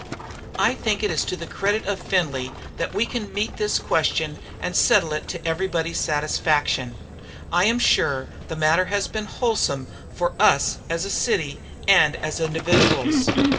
"I think it is to the credit of Findlay that we can meet this question and settle it to everybody's satisfaction. I am sure the matter has been wholesome for us as a city and as individuals."